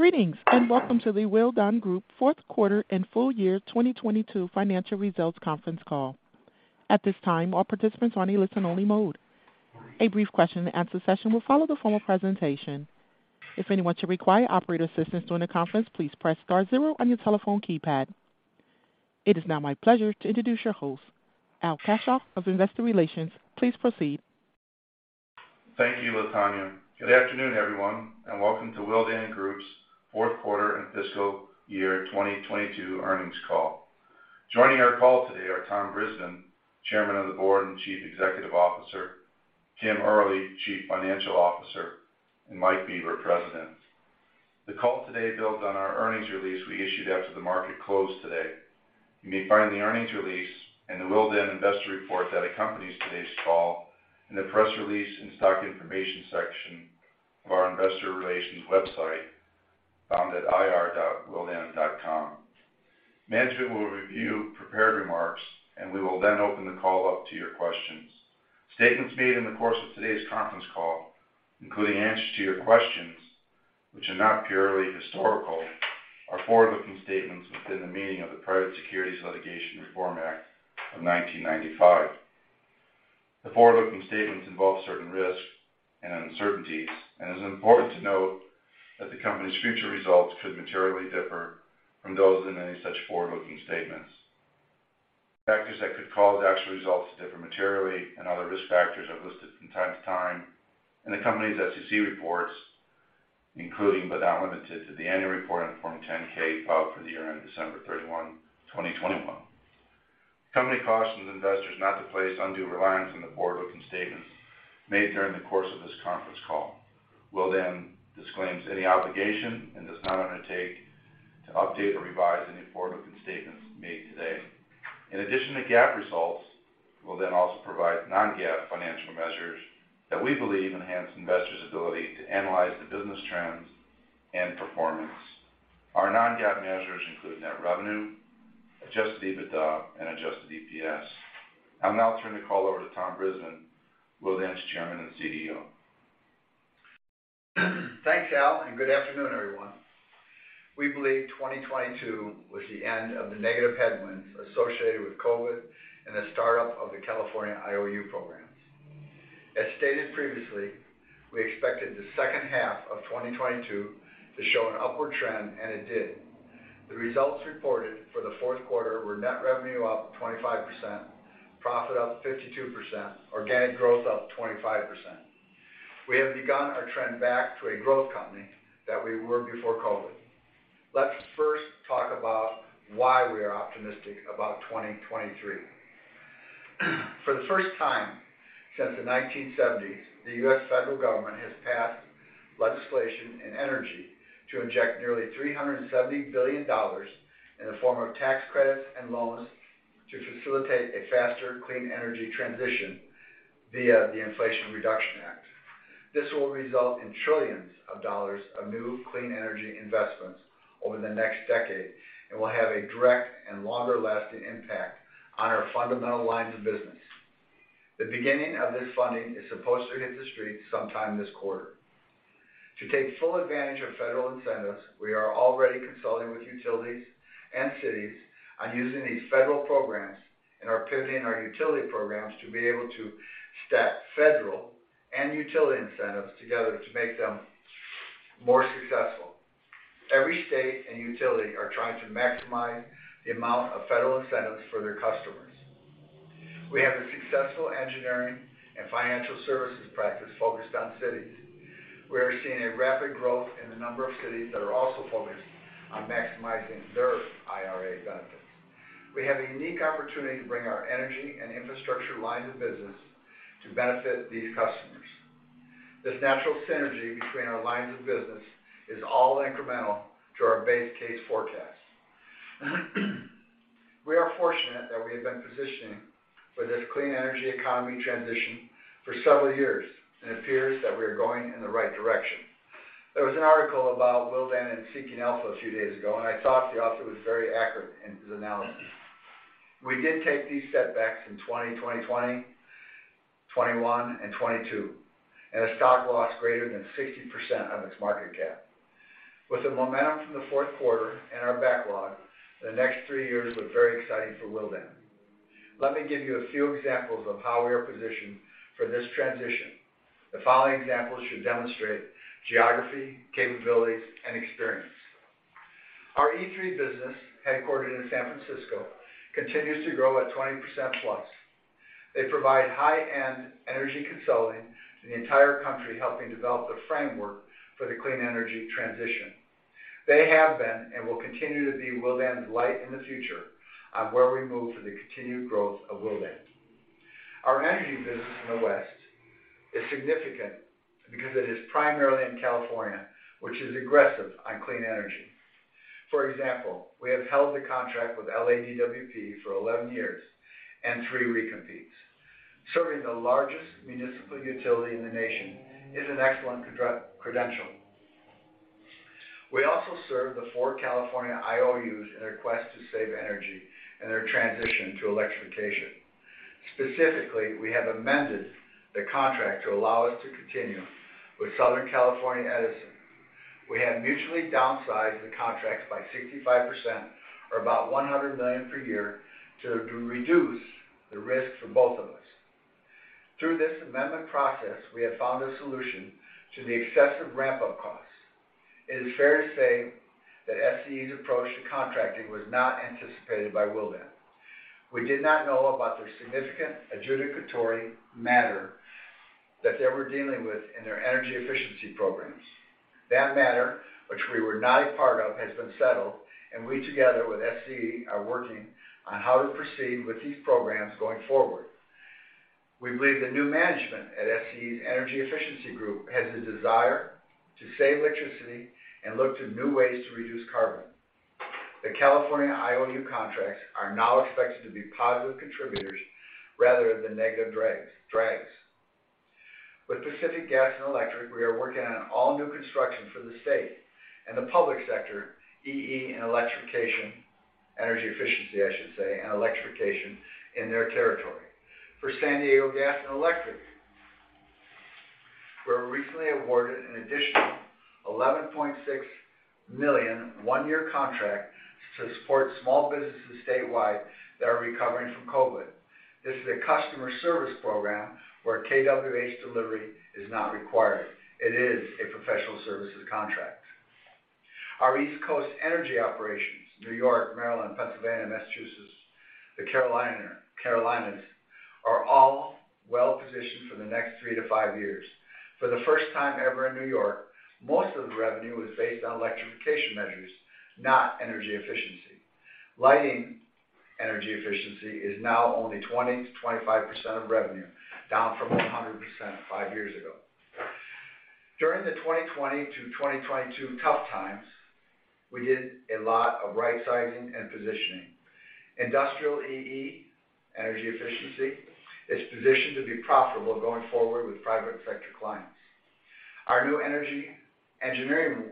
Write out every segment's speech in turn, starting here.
Greetings, welcome to the Willdan Group fourth quarter and full-year 2022 financial results conference call. At this time, all participants are on a listen-only mode. A brief question-and-answer session will follow the formal presentation. If anyone should require operator assistance during the conference, please press star zero on your telephone keypad. It is now my pleasure to introduce your host, Al Kaschalk of Investor Relations. Please proceed. Thank you, Latonya. Good afternoon, everyone, and welcome to Willdan Group's fourth quarter and fiscal year 2022 earnings call. Joining our call today are Tom Brisbin, Chairman of the Board and Chief Executive Officer; Kim Early, Chief Financial Officer; and Mike Bieber, President. The call today builds on our earnings release we issued after the market closed today. You may find the earnings release and the Willdan Investor Report that accompanies today's call in the press release and stock information section of our investor relations website, found at ir.willdangroup.com. We will then open the call up to your questions. Statements made in the course of today's conference call, including answers to your questions, which are not purely historical, are forward-looking statements within the meaning of the Private Securities Litigation Reform Act of 1995. The forward-looking statements involve certain risks and uncertainties, and it is important to note that the company's future results could materially differ from those in any such forward-looking statements. Factors that could cause actual results to differ materially and other risk factors are listed from time to time in the company's SEC reports, including, but not limited to, the annual report on Form 10-K filed for the year-end December 31, 2021. The company cautions investors not to place undue reliance on the forward-looking statements made during the course of this conference call. Willdan disclaims any obligation and does not undertake to update or revise any forward-looking statements made today. In addition to GAAP results, Willdan also provides non-GAAP financial measures that we believe enhance investors' ability to analyze the business trends and performance. Our non-GAAP measures include net revenue, adjusted EBITDA, and adjusted EPS. I'll now turn the call over to Tom Brisbin, Willdan's Chairman and CEO. Thanks, Al. Good afternoon, everyone. We believe 2022 was the end of the negative headwinds associated with COVID and the start-up of the California IOU programs. As stated previously, we expected the second half of 2022 to show an upward trend, and it did. The results reported for the fourth quarter were net revenue up 25%, profit up 52%, organic growth up 25%. We have begun our trend back to a growth company that we were before COVID. Let's first talk about why we are optimistic about 2023. For the first time since the 1970s, the U.S. federal government has passed legislation and energy to inject nearly $370 billion in the form of tax credits and loans to facilitate a faster clean energy transition via the Inflation Reduction Act. This will result in trillions of dollars of new clean energy investments over the next decade and will have a direct and longer-lasting impact on our fundamental lines of business. The beginning of this funding is supposed to hit the street sometime this quarter. To take full advantage of federal incentives, we are already consulting with utilities and cities on using these federal programs and are pivoting our utility programs to be able to stack federal and utility incentives together to make them more successful. Every state and utility are trying to maximize the amount of federal incentives for their customers. We have a successful engineering and financial services practice focused on cities. We are seeing a rapid growth in the number of cities that are also focused on maximizing their IRA benefits. We have a unique opportunity to bring our energy and infrastructure lines of business to benefit these customers. This natural synergy between our lines of business is all incremental to our base case forecast. We are fortunate that we have been positioning for this clean energy economy transition for several years. It appears that we are going in the right direction. There was an article about Willdan in Seeking Alpha a few days ago, and I thought the author was very accurate in his analysis. We did take these setbacks in 2020, 2021, and 2022, and the stock lost greater than 60% of its market cap. With the momentum from the fourth quarter and our backlog, the next three years look very exciting for Willdan. Let me give you a few examples of how we are positioned for this transition. The following examples should demonstrate geography, capabilities, and experience. Our E3 business, headquartered in San Francisco, continues to grow at 20%+. They provide high-end energy consulting to the entire country, helping develop the framework for the clean energy transition. They have been and will continue to be Willdan's light in the future on where we move to the continued growth of Willdan. Our energy business in the West is significant because it is primarily in California, which is aggressive on clean energy. For example, we have held the contract with LADWP for 11 years and three recompetes. Serving the largest municipal utility in the nation is an excellent credential. We also serve the four California IOUs in a quest to save energy in their transition to electrification. Specifically, we have amended the contract to allow us to continue with Southern California Edison. We have mutually downsized the contracts by 65% or about $100 million per year to reduce the risk for both of us. Through this amendment process, we have found a solution to the excessive ramp-up costs. It is fair to say that SCE's approach to contracting was not anticipated by Willdan. We did not know about their significant adjudicatory matter that they were dealing with in their energy efficiency programs. That matter, which we were not a part of, has been settled, and we, together with SCE, are working on how to proceed with these programs going forward. We believe the new management at SCE's Energy Efficiency Group has the desire to save electricity and look to new ways to reduce carbon. The California IOU contracts are now expected to be positive contributors rather than negative drags. With Pacific Gas and Electric, we are working on an all-new construction for the state and the public sector, EE, and electrification. Energy efficiency, I should say, and electrification in their territory. For San Diego Gas & Electric, we were recently awarded an additional $11.6 million one-year contract to support small businesses statewide that are recovering from COVID. This is a customer service program where kWh delivery is not required. It is a professional services contract. Our East Coast energy operations, New York, Maryland, Pennsylvania, Massachusetts, the Carolinas, are all well-positioned for the next three to five years. For the first time ever in New York, most of the revenue is based on electrification measures, not energy efficiency. Lighting energy efficiency is now only 20%-25% of revenue, down from 100% five years ago. During the 2020 to 2022 tough times, we did a lot of right-sizing and positioning. Industrial EE, energy efficiency, is positioned to be profitable going forward with private sector clients. Our New York energy engineering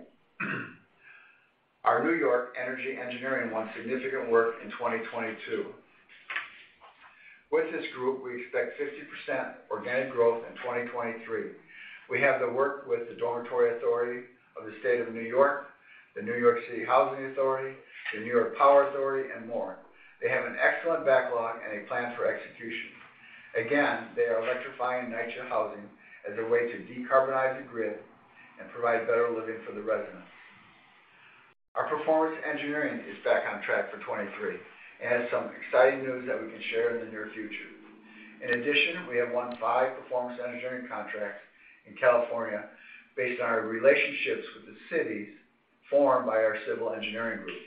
won significant work in 2022. With this group, we expect 50% organic growth in 2023. We have the work with the Dormitory Authority of the State of New York, the New York City Housing Authority, the New York Power Authority, and more. They have an excellent backlog and a plan for execution. Again, they are electrifying NYCHA housing as a way to decarbonize the grid and provide better living for the residents. Our performance engineering is back on track for 2023 and has some exciting news that we can share in the near future. We have won five performance engineering contracts in California based on our relationships with the cities formed by our civil engineering group.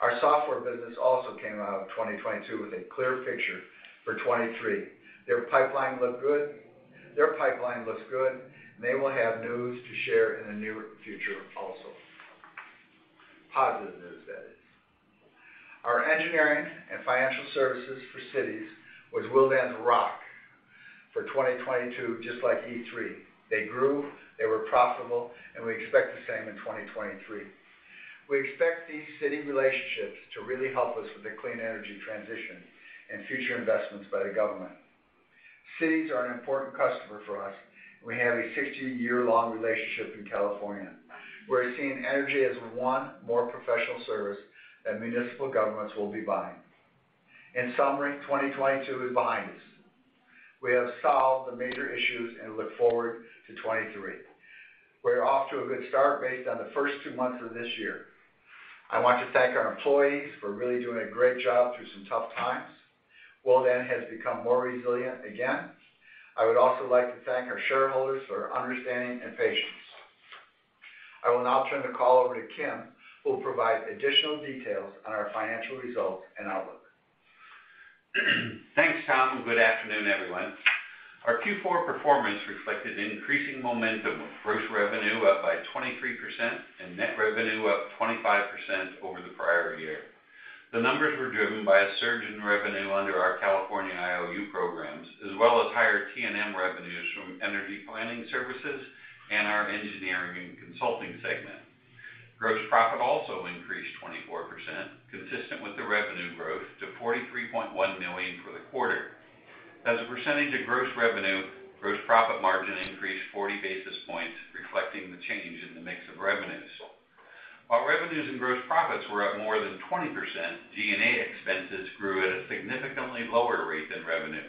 Our software business also came out of 2022 with a clear picture for 2023. Their pipeline looks good. They will have news to share in the near future also. Positive news, that is. Our engineering and financial services for cities was Willdan's rock for 2022, just like E3. They grew, they were profitable, we expect the same in 2023. We expect these city relationships to really help us with the clean energy transition and future investments by the government. Cities are an important customer for us. We have a 60-year-long relationship in California. We're seeing energy as one more professional service that municipal governments will be buying. 2022 is behind us. We have solved the major issues and look forward to 2023. We're off to a good start based on the first two months of this year. I want to thank our employees for really doing a great job through some tough times. Willdan has become more resilient again. I would also like to thank our shareholders for understanding and patience. I will now turn the call over to Kim, who will provide additional details on our financial results and outlook. Thanks, Tom. Good afternoon, everyone. Our Q4 performance reflected increasing momentum of gross revenue up by 23% and net revenue up 25% over the prior year. The numbers were driven by a surge in revenue under our California IOU programs, as well as higher T&M revenues from energy planning services and our engineering and consulting segment. Gross profit also increased 24%, consistent with the revenue growth to $43.1 million for the quarter. As a percentage of gross revenue, gross profit margin increased 40 basis points, reflecting the change in the mix of revenues. While revenues and gross profits were up more than 20%, G&A expenses grew at a significantly lower rate than revenue.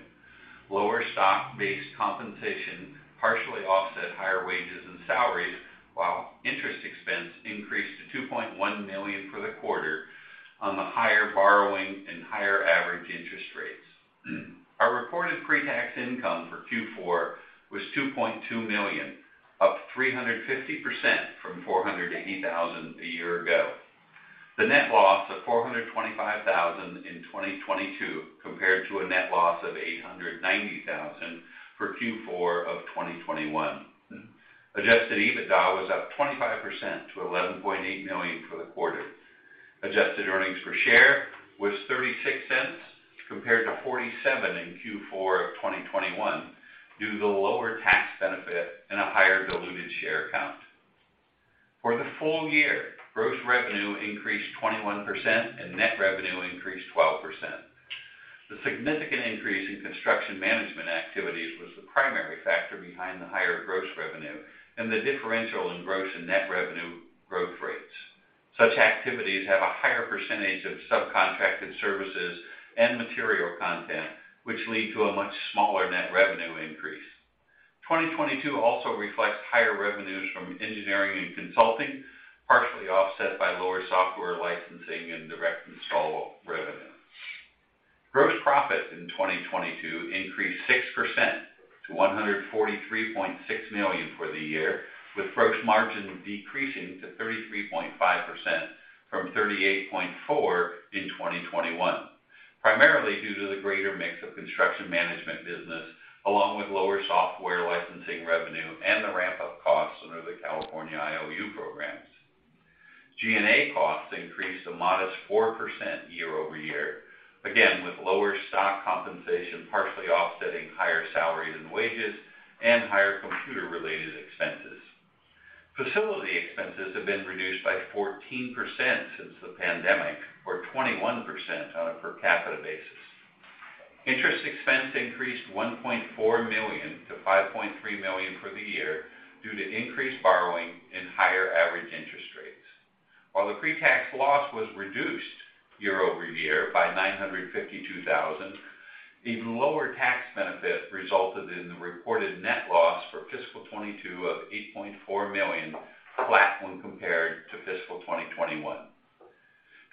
Lower stock-based compensation partially offset higher wages and salaries, while interest expense increased to $2.1 million for the quarter on the higher borrowing and higher average interest rates. Our reported pre-tax income for Q4 was $2.2 million, up 350% from $480,000 a year ago. The net loss of $425,000 in 2022 compared to a net loss of $890,000 for Q4 of 2021. Adjusted EBITDA was up 25% to $11.8 million for the quarter. Adjusted EPS was $0.36 compared to $0.47 in Q4 of 2021 due to the lower tax benefit and a higher diluted share count. For the full year, gross revenue increased 21% and net revenue increased 12%. The significant increase in construction management activities was the primary factor behind the higher gross revenue and the differential in gross and net revenue growth rates. Such activities have a higher percentage of subcontracted services and material content, which lead to a much smaller net revenue increase. 2022 also reflects higher revenues from engineering and consulting, partially offset by lower software licensing and direct install revenue. Gross profit in 2022 increased 6% to $143.6 million for the year, with gross margin decreasing to 33.5% from 38.4% in 2021, primarily due to the greater mix of construction management business, along with lower software licensing revenue and the ramp-up costs under the California IOU programs. G&A costs increased a modest 4% year-over-year, again, with lower stock compensation partially offsetting higher salaries and wages and higher computer-related expenses. Facility expenses have been reduced by 14% since the pandemic, or 21% on a per capita basis. Interest expense increased $1.4 million to $5.3 million for the year due to increased borrowing and higher average interest rates. While the pre-tax loss was reduced year-over-year by $952,000, even lower tax benefit resulted in the reported net loss for fiscal 2022 of $8.4 million, flat when compared to fiscal 2021.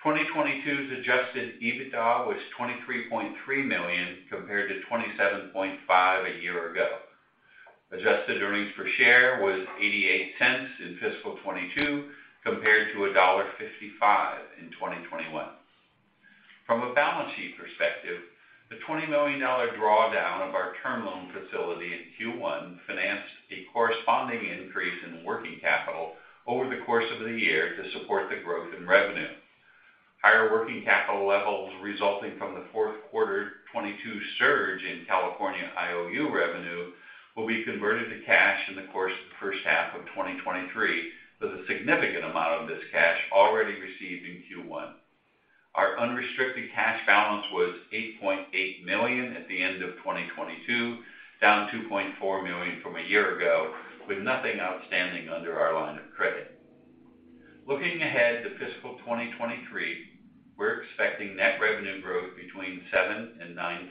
2022's adjusted EBITDA was $23.3 million compared to $27.5 million a year ago. Adjusted earnings per share was $0.88 in fiscal 2022 compared to $1.55 in 2021. From a balance sheet perspective, the $20 million drawdown of our term loan facility in Q1 financed a corresponding increase in working capital over the course of the year to support the growth in revenue. Higher working capital levels resulting from the Q4 2022 surge in California IOU revenue will be converted to cash in the course of the first half of 2023, with a significant amount of this cash already received in Q1. Our unrestricted cash balance was $8.8 million at the end of 2022, down $2.4 million from a year ago, with nothing outstanding under our line of credit. Looking ahead to fiscal 2023, we're expecting net revenue growth between 7%-9%.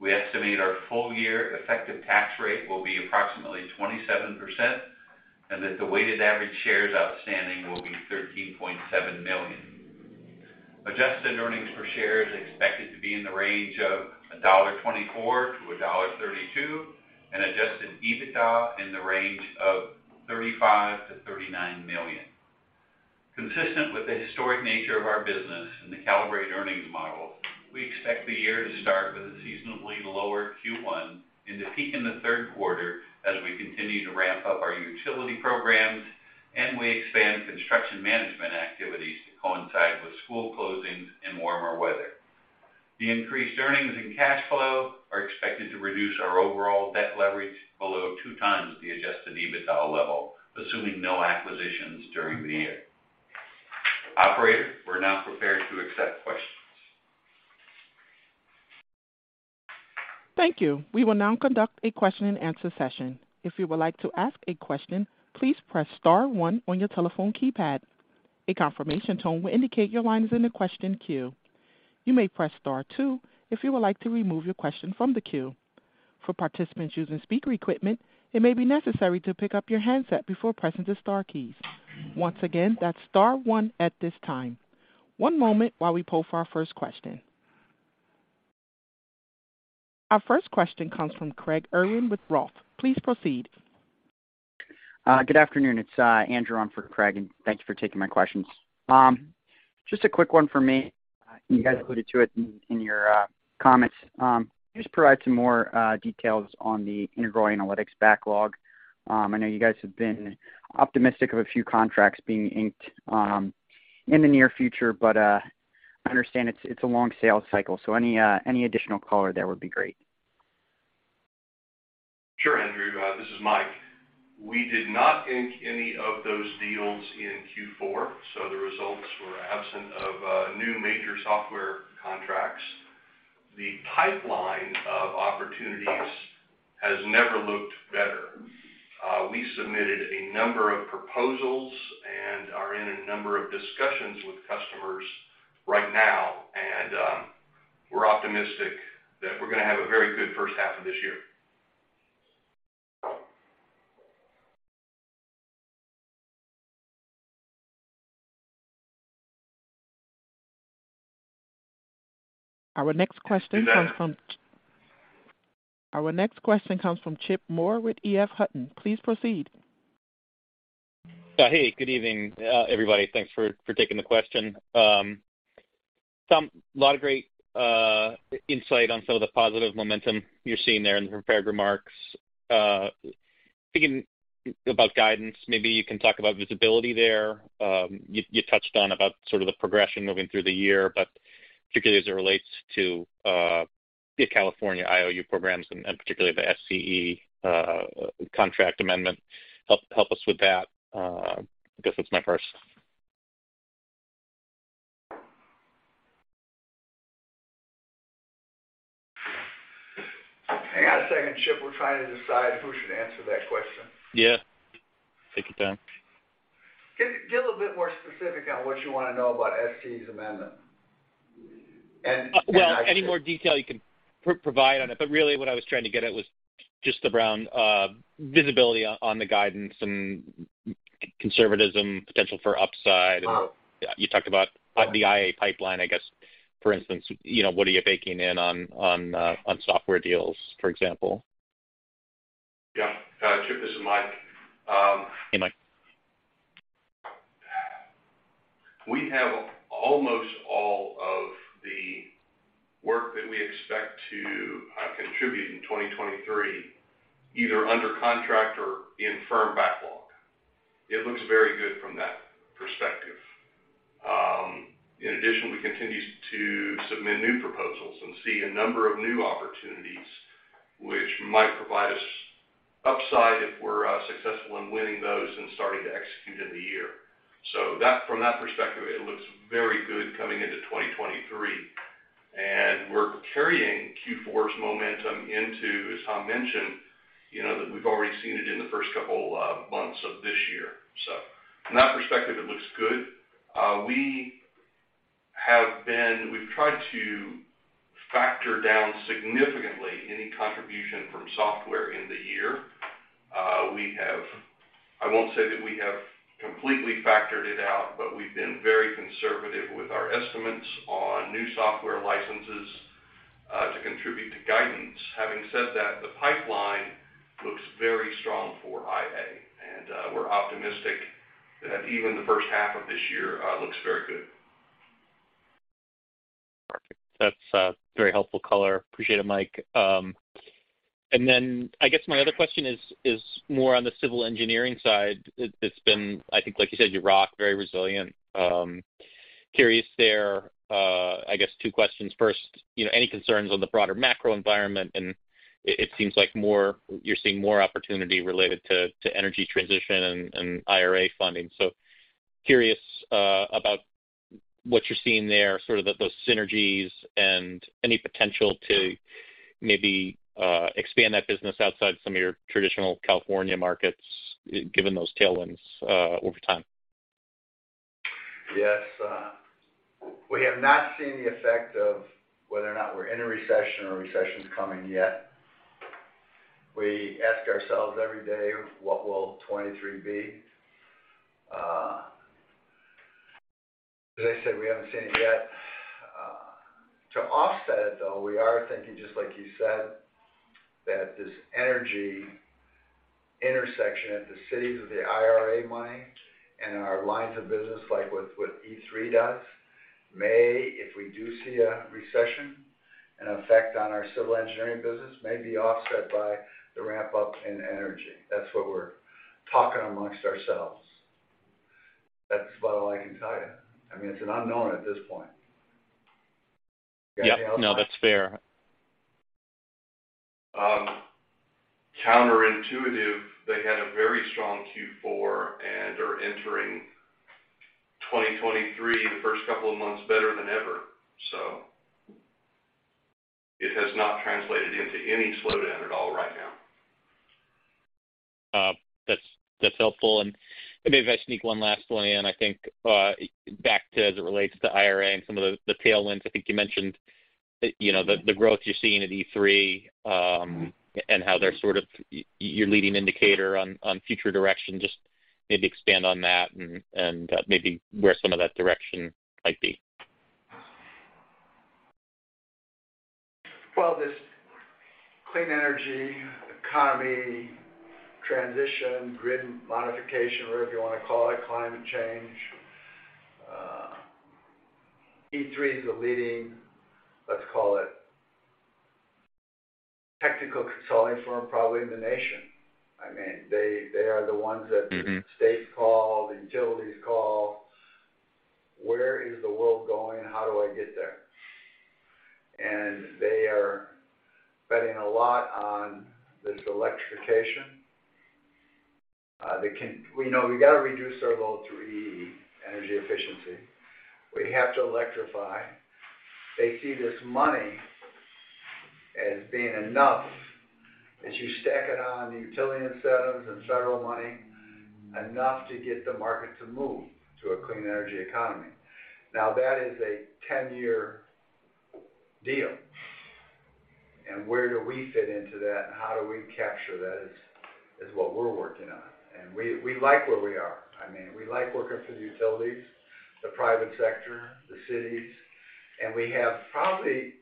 We estimate our full-year effective tax rate will be approximately 27%, and that the weighted average shares outstanding will be 13.7 million. Adjusted earnings per share is expected to be in the range of $1.24-$1.32, and adjusted EBITDA in the range of $35 million-$39 million. Consistent with the historic nature of our business and the calibrated earnings model, we expect the year to start with a seasonably lower Q1 and to peak in the third quarter as we continue to ramp up our utility programs and we expand construction management activities to coincide with school closings and warmer weather. The increased earnings and cash flow are expected to reduce our overall debt leverage below two times the adjusted EBITDA level, assuming no acquisitions during the year. Operator, we're now prepared to accept questions. Thank you. We will now conduct a question-and-answer session. If you would like to ask a question, please press star one on your telephone keypad. A confirmation tone will indicate your line is in the question queue. You may press star two if you would like to remove your question from the queue. For participants using speaker equipment, it may be necessary to pick up your handset before pressing the star keys. Once again, that's star one at this time. One moment while we poll for our first question. Our first question comes from Craig Irwin with Roth. Please proceed. Good afternoon. It's Andrew on for Craig. Thank you for taking my questions. Just a quick one for me. You guys alluded to it in your comments. Can you just provide some more details on the Integral Analytics backlog? I know you guys have been optimistic of a few contracts being inked in the near future, but I understand it's a long sales cycle, so any additional color there would be great. Sure, Andrew. This is Mike. We did not ink any of those deals in Q4. The results were absent of new major software contracts. The pipeline of opportunities has never looked better. We submitted a number of proposals and are in a number of discussions with customers right now. We're optimistic that we're gonna have a very good first half of this year. Our next question comes from. Our next question comes from Chip Moore with EF Hutton. Please proceed. Hey, good evening, everybody. Thanks for taking the question. Lot of great insight on some of the positive momentum you're seeing there in the prepared remarks. Thinking about guidance, maybe you can talk about visibility there. You touched on about sort of the progression moving through the year, but particularly as it relates to the California IOU programs and particularly the SCE contract amendment. Help us with that. I guess that's my first. Hang on a second, Chip. We're trying to decide who should answer that question. Yeah. Take your time. Get a little bit more specific on what you wanna know about SCE's amendment. Any more detail you can provide on it. Really what I was trying to get at was just around visibility on the guidance and conservatism, potential for upside. Oh. You talked about the IA pipeline, I guess, for instance, you know, what are you baking in on software deals, for example? Yeah. Chip, this is Mike. Hey, Mike. We have almost all of the work that we expect to contribute in 2023 either under contract or in firm backlog. It looks very good from that perspective. In addition, we continue to submit new proposals and see a number of new opportunities which might provide us upside if we're successful in winning those and starting to execute in the year. From that perspective, it looks very good coming into 2023. We're carrying Q4's momentum into, as Tom mentioned, you know, that we've already seen it in the first couple months of this year. From that perspective, it looks good. We've tried to factor down significantly any contribution from software in the year. We have... I won't say that we have completely factored it out, but we've been very conservative with our estimates on new software licenses, to contribute to guidance. Having said that, the pipeline looks very strong for IA, and we're optimistic that even the first half of this year, looks very good. Perfect. That's very helpful color. Appreciate it, Mike. Then I guess my other question is more on the civil engineering side. It's been, I think like you said, you rock, very resilient. Curious there, I guess two questions. First, you know, any concerns on the broader macro environment? It seems like more you're seeing more opportunity related to energy transition and IRA funding. Curious about what you're seeing there, sort of those synergies and any potential to maybe expand that business outside some of your traditional California markets given those tailwinds over time. Yes. We have not seen the effect of whether or not we're in a recession or a recession's coming yet. We ask ourselves every day, what will 2023 be? As I said, we haven't seen it yet. To offset it, though, we are thinking, just like you said, that this energy intersection at the cities with the IRA money and our lines of business, like with E3 does, may, if we do see a recession, an effect on our civil engineering business may be offset by the ramp up in energy. That's what we're talking amongst ourselves. That's about all I can tell you. I mean, it's an unknown at this point. Yeah. No, that's fair. Counterintuitive, they had a very strong Q4 and are entering 2023, the first couple of months better than ever. It has not translated into any slowdown at all right now. That's, that's helpful. Maybe if I sneak one last one in, I think, back to as it relates to IRA and some of the tailwinds, I think you mentioned, you know, the growth you're seeing at E3, and how they're sort of your leading indicator on future direction. Just maybe expand on that and, maybe where some of that direction might be. Well, this clean energy economy transition, grid modification, whatever you wanna call it, climate change, E3 is a leading, let's call it technical consulting firm, probably in the nation. I mean, they are the ones that the states call, the utilities call. Where is the world going? How do I get there? They are betting a lot on this electrification. We know we gotta reduce our whole EE, energy efficiency. We have to electrify. They see this money as being enough as you stack it on the utility incentives and federal money, enough to get the market to move to a clean energy economy. Now, that is a 10-year deal. Where do we fit into that? How do we capture that is what we're working on. We like where we are. I mean, we like working for the utilities, the private sector, the cities. We have probably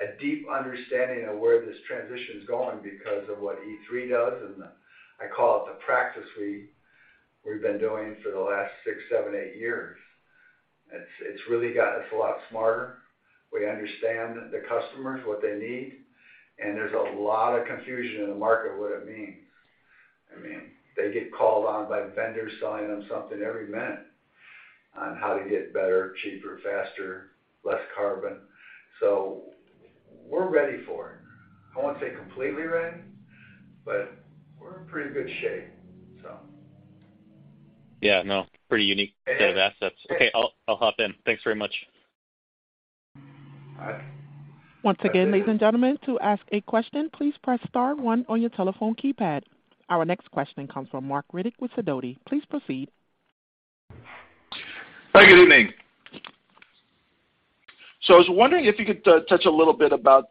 a deep understanding of where this transition is going because of what E3 does, and I call it the practice we've been doing for the last six, seven, eight years. It's really got us a lot smarter. We understand the customers, what they need, and there's a lot of confusion in the market what it means. I mean, they get called on by vendors selling them something every minute on how to get better, cheaper, faster, less carbon. We're ready for it. I won't say completely ready, but we're in pretty good shape, so. Yeah, no. Pretty unique set of assets. Okay. I'll hop in. Thanks very much. All right. Once again, ladies and gentlemen, to ask a question, please press star one on your telephone keypad. Our next question comes from Marc Riddick with Sidoti. Please proceed. Hi, good evening. I was wondering if you could touch a little bit about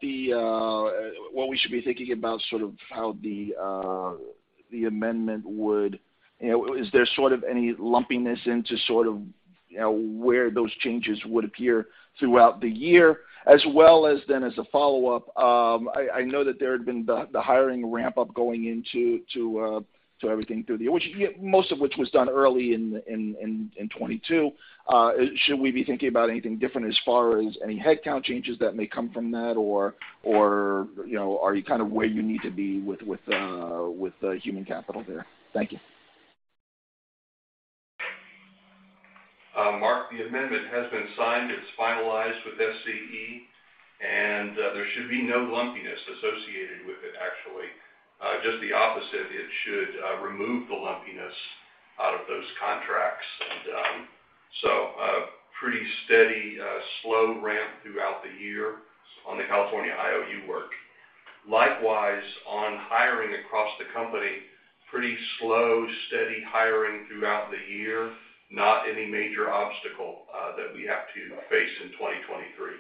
what we should be thinking about, sort of how the amendment would... You know, is there sort of any lumpiness into sort of, you know, where those changes would appear throughout the year? As well as a follow-up, I know that there had been the hiring ramp up going into everything through the year, most of which was done early in 2022. Should we be thinking about anything different as far as any headcount changes that may come from that? Or, you know, are you kind of where you need to be with the human capital there? Thank you. Mark, the amendment has been signed. It's finalized with SCE, there should be no lumpiness associated with it, actually. Just the opposite. It should remove the lumpiness out of those contracts. Pretty steady, slow ramp throughout the year on the California IOU work. Likewise, on hiring across the company, pretty slow, steady hiring throughout the year. Not any major obstacle that we have to face in 2023.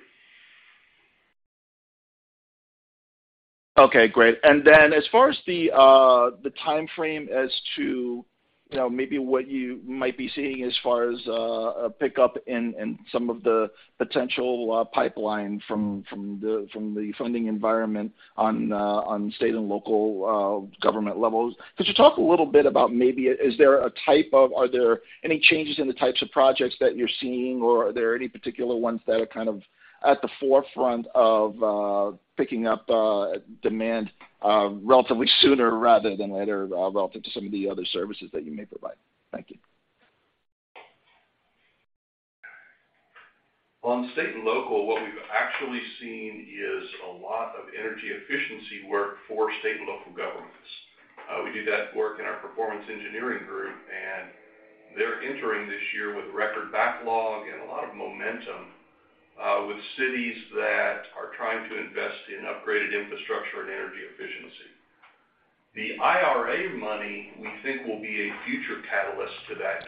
Okay, great. As far as the timeframe as to, you know, maybe what you might be seeing as far as a pickup in some of the potential pipeline from the funding environment on state and local government levels, could you talk a little bit about maybe Are there any changes in the types of projects that you're seeing, or are there any particular ones that are kind of at the forefront of picking up demand relatively sooner rather than later, relative to some of the other services that you may provide? Thank you. On state and local, what we've actually seen is a lot of energy efficiency work for state and local governments. We do that work in our performance engineering group, and they're entering this year with record backlog and a lot of momentum, with cities that are trying to invest in upgraded infrastructure and energy efficiency. The IRA money, we think will be a future catalyst to that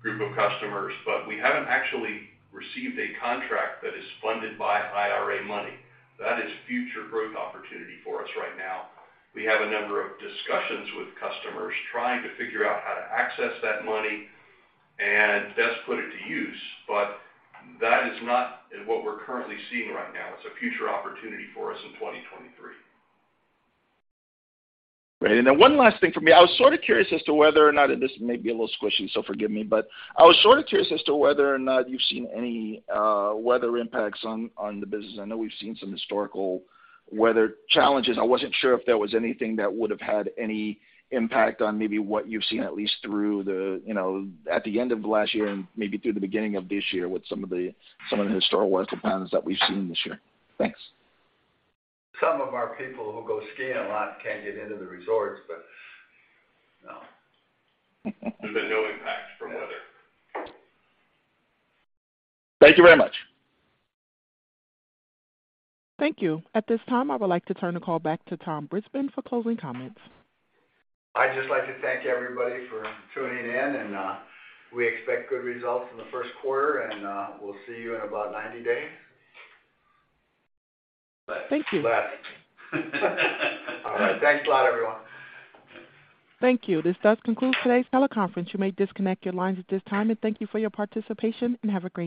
group of customers, but we haven't actually received a contract that is funded by IRA money. That is future growth opportunity for us right now. We have a number of discussions with customers trying to figure out how to access that money and best put it to use, but that is not what we're currently seeing right now. It's a future opportunity for us in 2023. Great. One last thing for me. I was sort of curious as to whether or not. This may be a little squishy, so forgive me. I was sort of curious as to whether or not you've seen any weather impacts on the business. I know we've seen some historical weather challenges. I wasn't sure if there was anything that would have had any impact on maybe what you've seen, at least through the, you know, at the end of last year and maybe through the beginning of this year with some of the historical weather patterns that we've seen this year. Thanks. Some of our people who go skiing a lot can't get into the resorts, but no. There's been no impact from weather. Thank you very much. Thank you. At this time, I would like to turn the call back to Tom Brisbin for closing comments. I'd just like to thank everybody for tuning in, and, we expect good results in the first quarter, and, we'll see you in about 90 days. Thank you. Less. All right. Thanks a lot, everyone. Thank you. This does conclude today's teleconference. You may disconnect your lines at this time. Thank you for your participation, and have a great day.